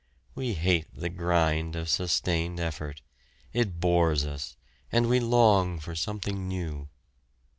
We hate the grind of sustained effort, it bores us, and we long for something new.